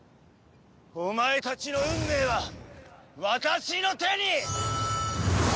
お前たちの運命は私の手に！